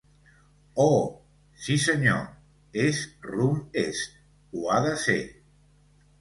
Oh! Sí, senyor, és rumb est, ho ha de ser!